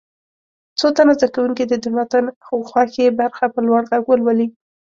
څو تنه زده کوونکي دې د متن خوښې برخه په لوړ غږ ولولي.